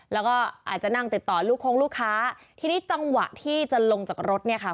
แล้วก็อาจจะนั่งติดต่อลูกคงลูกค้าทีนี้จังหวะที่จะลงจากรถเนี่ยค่ะ